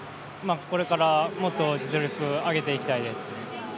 これから、もっと実力を上げていきたいです。